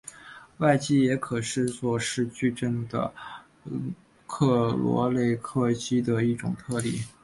外积也可视作是矩阵的克罗内克积的一种特例。